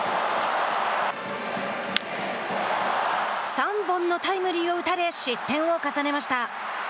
３本のタイムリーを打たれ失点を重ねました。